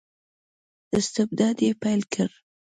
استبداد یې پیل کړ.